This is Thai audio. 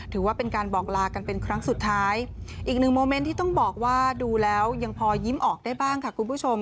ถือว่าเป็นการบอกลากันเป็นครั้งสุดท้ายอีกหนึ่งโมเมนต์ที่ต้องบอกว่าดูแล้วยังพอยิ้มออกได้บ้างค่ะคุณผู้ชม